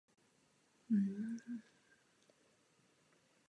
Zde se píše o vytváření bezpečných a příznivých pracovních podmínek.